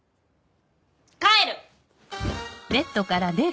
帰る！